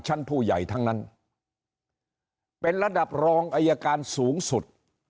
ชั้นผู้ใหญ่ทั้งนั้นเป็นระดับรองอายการสูงสุด